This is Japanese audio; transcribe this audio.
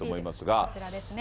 こちらですね。